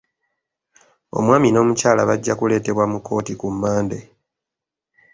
Omwami n'omukyala bajja kuleetebwa mu kkooti ku Mande.